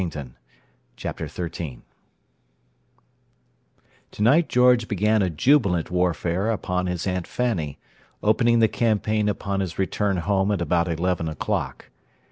"Well—" Chapter XIII Tonight George began a jubilant warfare upon his Aunt Fanny, opening the campaign upon his return home at about eleven o'clock.